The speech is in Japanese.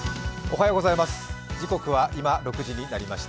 おはようございます。